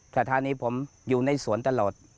สถานีผมอยู่ในสวนตลอด